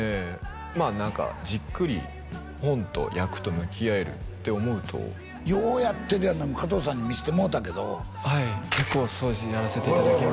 まあなんかじっくり本と役と向き合えるって思うとようやってるやんな加藤さんに見せてもうたけどはい結構そうですねやらせていただきましたね